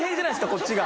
こっちが。